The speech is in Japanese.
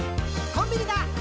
「コンビニだ！